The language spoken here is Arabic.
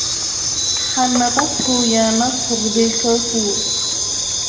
حنطته يا نصر بالكافور